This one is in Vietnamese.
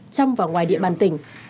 chăm vào ngoài địa bàn tỉnh